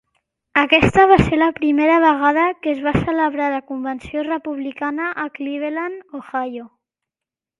Aquesta va ser la primera vegada que es va celebrar la Convenció republicana a Cleveland, Ohio.